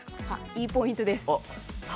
いいポイントです。